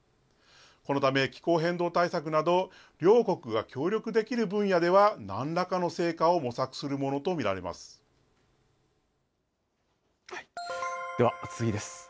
このため、気候変動対策など、両国が協力できる分野では、なんらかの成果を模索するものと見られでは次です。